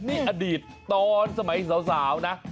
นี่อดีตตอนสมัยสาวนะ